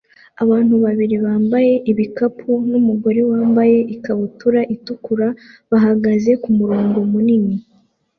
Abantu babiri bambaye ibikapu numugore wambaye ikabutura itukura bahagaze kumurongo munini